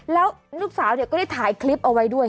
แล้วลูกสาวก็ได้ถ่ายคลิปเอาไว้ด้วย